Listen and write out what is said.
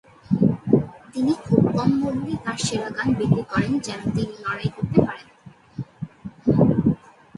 তিনি খুব কম মূল্যে তার সেরা গান বিক্রি করেন যেন তিনি লড়াই করতে পারেন।